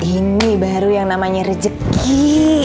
ini baru yang namanya rejeki